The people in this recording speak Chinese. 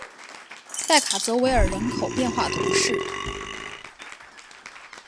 代卡泽维尔人口变化图示